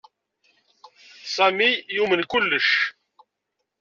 Sami yumen kullec.